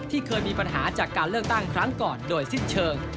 เคยมีปัญหาจากการเลือกตั้งครั้งก่อนโดยสิ้นเชิง